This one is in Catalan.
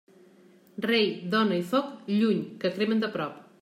Rei, dona i foc, lluny, que cremen de prop.